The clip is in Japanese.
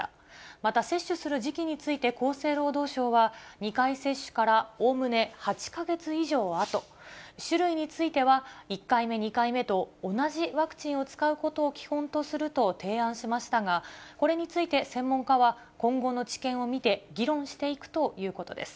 また接種する時期について厚生労働省は、２回接種からおおむね８か月以上後、種類については、１回目、２回目と同じワクチンを使うことを基本とすると提案しましたが、これについて専門家は、今後の知見を見て、議論していくということです。